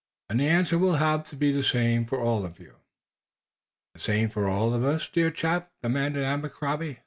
"And the answer will have to be the same for all of you." "The same for all of us, dear chap?" demanded Abercrombie.